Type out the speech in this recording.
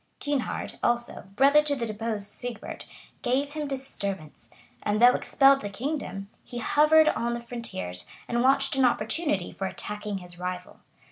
[] Kynehard also, brother to the deposed Sigebert, gave him disturbance; and though expelled the kingdom, he hovered on the frontiers, and watched an opportunity for attacking his rival.